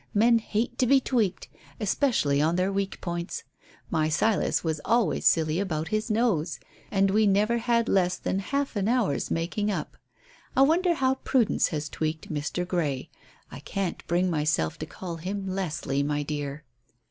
Men hate to be tweaked, especially on their weak points. My Silas was always silly about his nose. And we never had less than half an hour's making up. I wonder how Prudence has tweaked Mr. Grey I can't bring myself to call him Leslie, my dear."